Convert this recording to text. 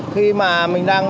khi mà mình đang